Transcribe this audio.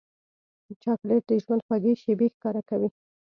چاکلېټ د ژوند خوږې شېبې ښکاره کوي.